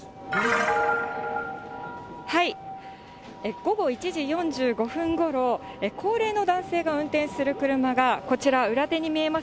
午後１時４５分ごろ、高齢の男性が運転する車がこちら、裏手に見えます